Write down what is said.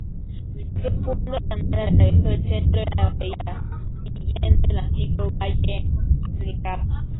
Un profundo canal atravesó el centro de la bahía, siguiendo el antiguo valle anegado.